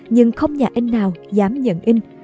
nhưng không nhà in nào dám nhận in